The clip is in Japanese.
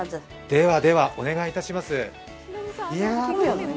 ではではお願いいたします。